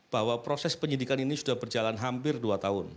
bahwa proses penyidikan ini sudah berjalan hampir dua tahun